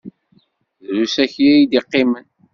Drus akya i d-iqqimen.